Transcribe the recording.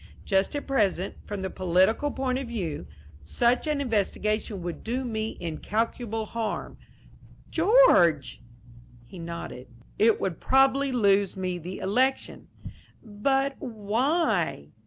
Just at present, from the political point of view, such an investigation would do me incalculable harm." "George!" He nodded. "It would probably lose me the election." "But why?"